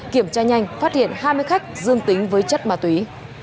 kiểm tra nhanh phát hiện hai mươi khách dương tính với chất ma túy